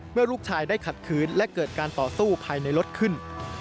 เมื่อลูกชายได้ขัดขืนและเกิดการต่อสู้ภายในรถขึ้น